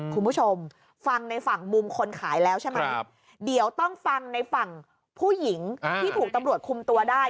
คุณผู้ชมฟังในฝั่งมุมคนขายแล้วใช่ไหมเดี๋ยวต้องฟังในฝั่งผู้หญิงที่ถูกตำรวจคุมตัวได้